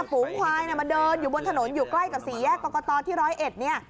ฝูงควายมาเดินอยู่บนถนนอยู่ใกล้กับศรีแยกกรกตที่๑๐๑